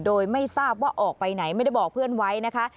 โดยไม่ทราบว่าออกไปไหนไม่ได้บอกเพื่อนไว้นะคะ